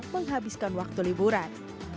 menghabiskan waktu liburan